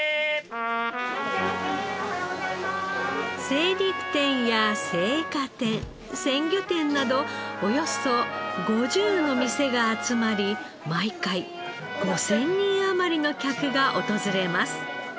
精肉店や青果店鮮魚店などおよそ５０の店が集まり毎回５０００人余りの客が訪れます。